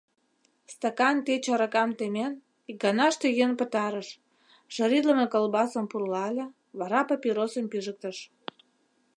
Стакан тич аракам темен, икганаште йӱын пытарыш, жаритлыме колбасым пурлале, вара папиросым пижыктыш.